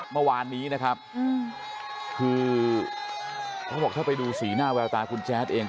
เมื่อวานนี้นะครับคือเขาบอกถ้าไปดูสีหน้าแววตาคุณแจ๊ดเอง